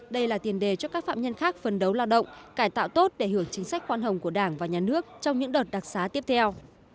đây là tiền đề cho các phạm nhân khác phấn đấu lao động cải tạo tốt để hưởng chính sách khoan hồng của đảng và nhà nước trong những đợt đặc xá tiếp theo